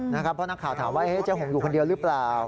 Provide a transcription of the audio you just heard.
เพราะนักข่าวถามว่าเจ๊หงอยู่คนเดียวหรือเปล่า